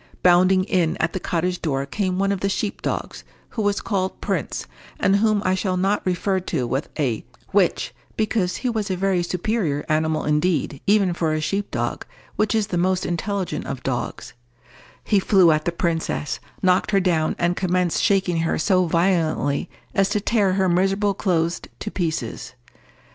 Bounding in at the cottage door came one of the sheep dogs, who was called Prince, and whom I shall not refer to with a which, because he was a very superior animal indeed, even for a sheep dog, which is the most intelligent of dogs: he flew at the princess, knocked her down, and commenced shaking her so violently as to tear her miserable clothes to pieces.